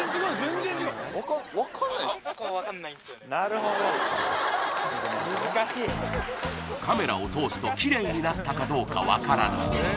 ほらカメラを通すとキレイになったかどうか分からない